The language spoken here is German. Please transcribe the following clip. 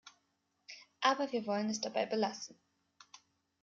Aber wir wollen es dabei belassen.